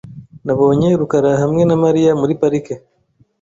Nabonye rukara hamwe na Mariya muri parike .